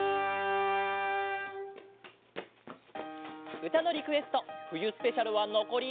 「うたのリクエストふゆスペシャル」はのこり。